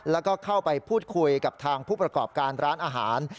แล้วก็เข้าไปพูดคุยกับทางผู้ประกอบการร้านอาหาร